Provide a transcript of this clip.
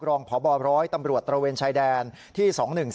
รองพบร้อยตำรวจตระเวนชายแดนที่๒๑๒